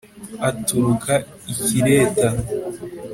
aturuka i kireta